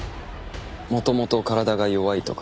元々体が弱いとか？